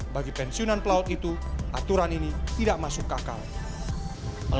bagi pensiunan pelaut itu aturan ini tidak masuk akal